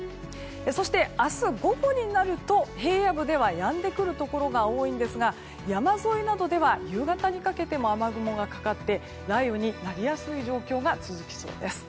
そして、明日午後になると平野部ではやんでくるところが多いんですが山沿いなどでは夕方にかけても雨雲がかかって雷雨になりやすい状況が続きそうです。